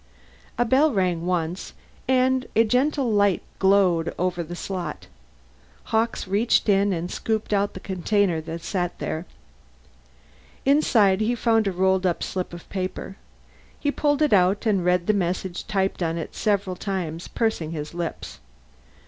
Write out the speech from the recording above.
A bell rang, once, and a gentle red light glowed over the slot. Hawkes reached in and scooped out the container that sat there. Inside he found a rolled up slip of paper. He pulled it out and read the message typed on it several times, pursing his lips.